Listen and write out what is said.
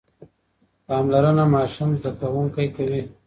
پاملرنه ماشوم زده کوونکی کوي.